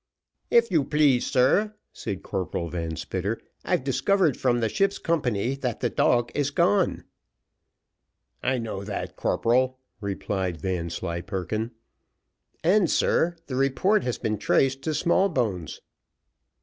"If you please, sir," said Corporal Van Spitter, "I've discovered from the ship's company that the dog is gone." "I know that, corporal," replied Vanslyperken. "And, sir, the report has been traced to Smallbones."